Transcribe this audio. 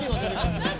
何だ？